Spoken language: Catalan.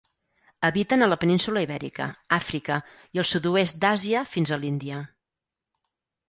Habiten a la península Ibèrica, Àfrica i el sud-oest d'Àsia fins a l'Índia.